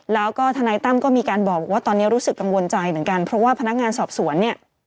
แล้วก็ทนายตั้มก็มีการบอกว่าตอนนี้รู้สึกกังวลใจเหมือนกันเพราะว่าพนักงานสอบสวนเนี่ย